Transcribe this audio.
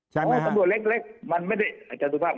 ใช่ไหมฮะตำรวจเล็กมันไม่ได้อาจารย์สุภาพ